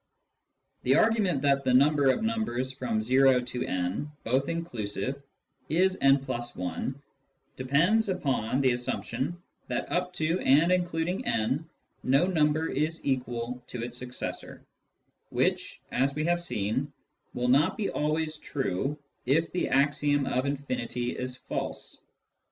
The argument that the number of numbers from o to n (both inclusive) is «+i depends upon the assumption that up to and including n no number is equal to its successor, which, as we have seen, will not be always true if the axiom of infinity is false.